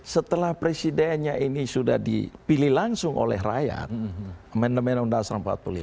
setelah presidennya ini sudah dipilih langsung oleh rakyat amendemen undang undang empat puluh lima